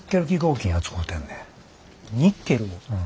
ニッケルを？